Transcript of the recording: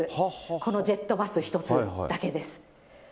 このジェットバス１つだけです。